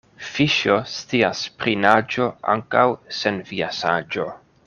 Fiŝo scias pri naĝo ankaŭ sen via saĝo.